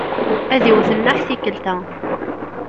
Ad iwet nneḥ tikkelt-a.